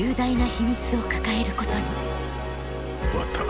終わった。